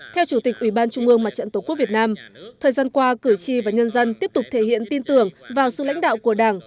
theo chủ tịch ủy ban trung ương mặt trận tổ quốc việt nam thời gian qua cử tri và nhân dân tiếp tục thể hiện tin tưởng vào sự lãnh đạo của đảng